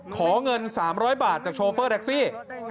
ขอเงิน๓๐๐บาทจากโชเฟอร์แท็กซี่